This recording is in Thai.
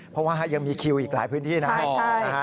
เพราะว่ายังมีคิวอีกหลายพื้นที่นะ